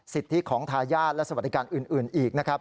ศริษฐิของทายาทและสวัสดิการอื่นอีก